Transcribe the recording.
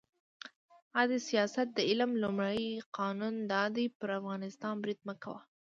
«عد سیاست د علم لومړی قانون دا دی: پر افغانستان برید مه کوه.